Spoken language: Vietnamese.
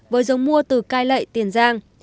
với giống mua từ cai lệ tiền giang